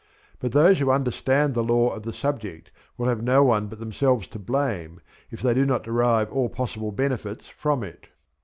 But those who understand the law of the subject will have no one but themselves to blame if they do not derive all possible benefits from it.